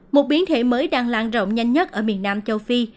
một biến thể mới đang lan rộng nhanh nhất ở miền nam châu phi